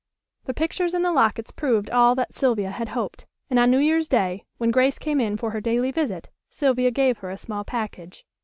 The pictures and the lockets proved all that Sylvia had hoped, and on New Year's day, when Grace came in for her daily visit, Sylvia gave her a small package.